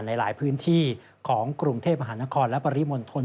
หลายพื้นที่ของกรุงเทพมหานครและปริมณฑล